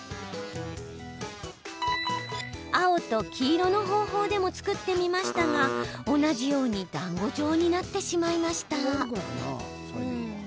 青と黄色の方法でも作ってみましたが同じようにだんご状になってしまいました。